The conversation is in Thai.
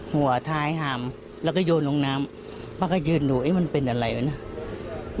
หัวท้ายหามแล้วก็โยนลงน้ำป้าก็ยืนดูเอ๊ะมันเป็นอะไรวะนะ